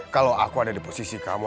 kalau aku ada di posisi kamu